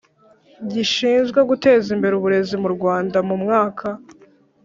Gishinzwe Guteza Imbere Uburezi mu Rwanda mu mwaka